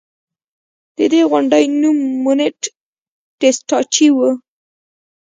د دې غونډۍ نوم مونټ ټسټاچي و